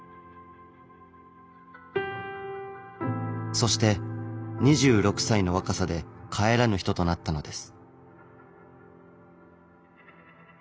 そして２６歳の若さで帰らぬ人となったのです。